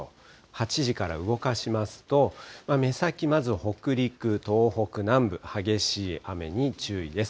８時から動かしますと、目先、まず北陸、東北南部、激しい雨に注意です。